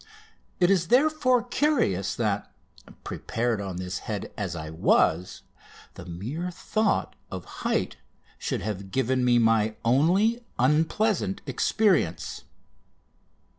It is, therefore, curious that, prepared on this head as I was, the mere thought of height should have given me my only unpleasant experience.